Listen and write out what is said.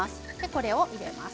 これを入れます。